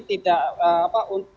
ini tidak apa